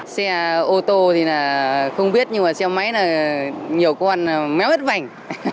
xe ô tô thì là không biết nhưng mà xe máy là nhiều con méo hết vành